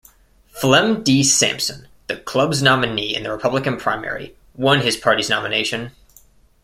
Flem D. Sampson, the Club's nominee in the Republican primary, won his party's nomination.